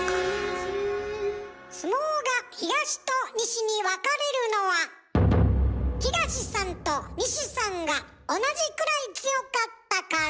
相撲が東と西に分かれるのは東さんと西さんが同じくらい強かったから。